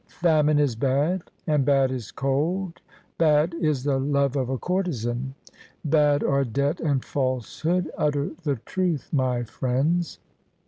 Famine is bad, and bad is cold ; bad is the love of a courtesan ; Bad are debt and falsehood ; utter the truth, my friends.